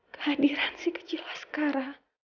kehadiran si kecil askara